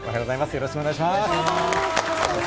よろしくお願いします。